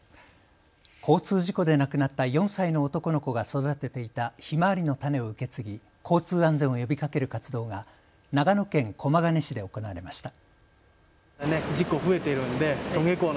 交通事故で亡くなった４歳の男の子が育てていたひまわりの種を受け継ぎ交通安全を呼びかける活動が長野県駒ヶ根市で行われました。